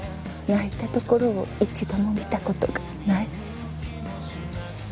「泣いたところを一度も見たことがない」